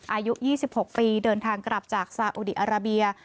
อายุ๒๖ปีเดินทางกลับจากซาอุดีอาราเบีย